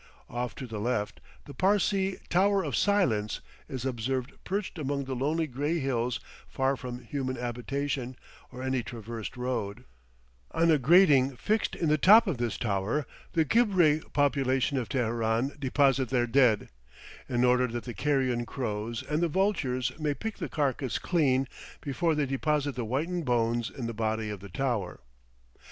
Off to the left, the Parsee "tower of silence" is observed perched among the lonely gray hills far from human habitation or any traversed road; on a grating fixed in the top of this tower, the Guebre population of Teheran deposit their dead, in order that the carrion crows and the vultures may pick the carcass clean before they deposit the whitened bones in the body of the tower.